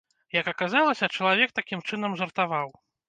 Як аказалася, чалавек такім чынам жартаваў.